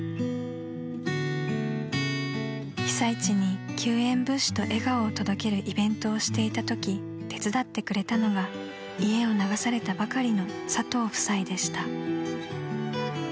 ［被災地に救援物資と笑顔を届けるイベントをしていたとき手伝ってくれたのが家を流されたばかりの佐藤夫妻でした］